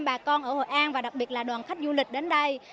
bà con ở hội an và đặc biệt là đoàn khách du lịch đến đây